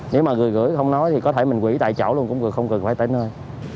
nếu mà gửi không nói thì có thể mình gửi tại chỗ luôn cũng không cần phải tới nơi